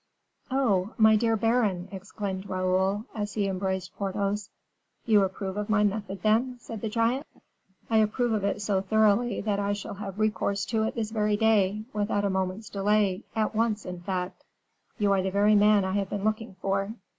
"Oh, my dear baron," exclaimed Raoul, as he embraced Porthos. "You approve of my method, then?" said the giant. "I approve of it so thoroughly, that I shall have recourse to it this very day, without a moment's delay, at once, in fact. You are the very man I have been looking for."